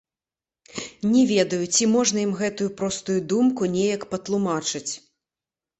Не ведаю, ці можна ім гэтую простую думку неяк патлумачыць.